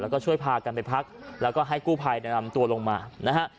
แล้วก็ช่วยพากันไปพักแล้วก็ให้กู้ภัยนำตัวลงมานะฮะ